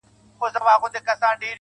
خدايه هغه زما د کور په لار سفر نه کوي.